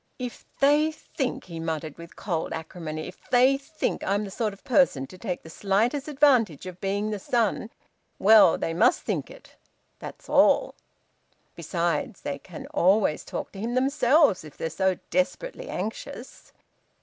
"If they think," he muttered, with cold acrimony "if they think I'm the sort of person to take the slightest advantage of being the son well, they must think it that's all! Besides, they can always talk to him themselves if they're so desperately anxious."